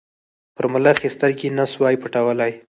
پر ملخ یې سترګي نه سوای پټولای